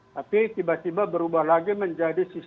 tapi tiba tiba berubah lagi menjadi yang lain